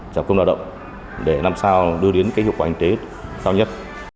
giảm không lao động để làm sao đưa đến hiệu quả hành tế cao nhất